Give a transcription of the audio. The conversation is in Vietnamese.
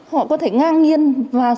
họ có thể ngang nhiên vào